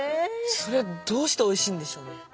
それはどうしておいしいんでしょうね？